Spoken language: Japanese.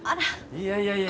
いやいやいやいや。